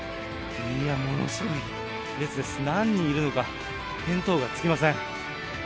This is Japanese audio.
いや、ものすごい列です、何人いるのか見当がつきません。